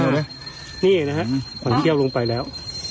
นี่นะครับขวัญเที่ยวลงไปแล้ว